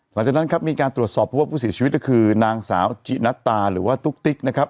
หลังจากนั้นครับมีการตรวจสอบเพราะว่าผู้เสียชีวิตก็คือนางสาวจินัตตาหรือว่าตุ๊กนะครับ